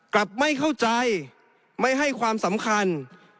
กลับไม่เข้าใจไม่ให้ความสำคัญ